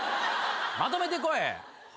まとめてこい。